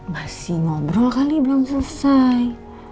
masih ngobrol kali belum selesai